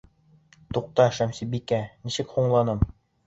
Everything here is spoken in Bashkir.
Туҡта, Шәмсебикә, нисек һуңланым?